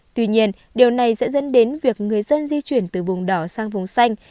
tuy nhiên điều này sẽ dẫn đến việc người dân di chuyển từ vùng đỏ sang vùng xanh